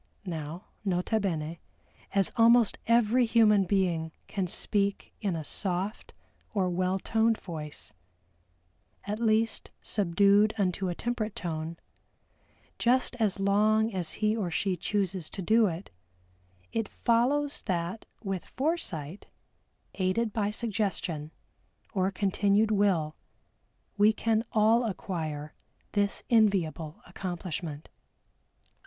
Now, nota bene as almost every human being can speak in a soft or well toned voice, "at least, subdued unto a temperate tone" just as long as he or she chooses to do it, it follows that with foresight, aided by suggestion, or continued will, we can all acquire this enviable accomplishment.